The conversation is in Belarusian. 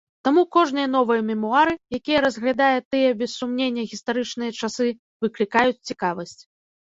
Таму кожныя новыя мемуары, якія разглядае тыя без сумнення гістарычныя часы, выклікаюць цікавасць.